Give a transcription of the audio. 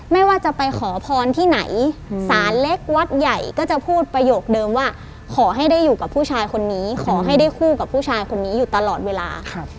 ไม่ว่าจะไปขอพรที่ไหนสารเล็กวัดใหญ่ก็จะพูดประโยคเดิมว่าขอให้ได้อยู่กับผู้ชายคนนี้ขอให้ได้คู่กับผู้ชายคนนี้อยู่ตลอดเวลา